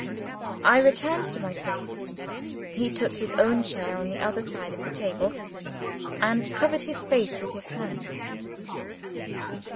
I returned to my place. He took his own chair on the other side of the table, and covered his face with his hands.